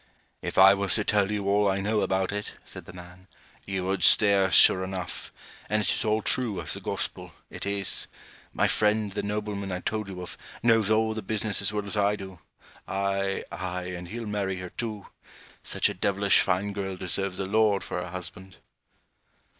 'If I was to tell you all I know about it,' said the man, 'you would stare sure enough. And it is all true as the gospel it is. My friend, the nobleman I told you of, knows all the business as well as I do ay, ay, and he'll marry her too. Such a devilish fine girl deserves a lord for her husband.'